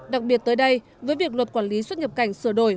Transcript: đặc biệt tới đây với việc luật quản lý xuất nhập cảnh sửa đổi